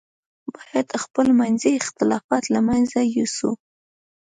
باید خپل منځي اختلافات له منځه یوسو.